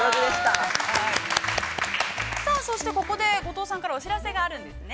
さあそして、ここで後藤さんさんからお知らせがあるんですね。